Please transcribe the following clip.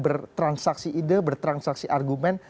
bertransaksi ide bertransaksi argumen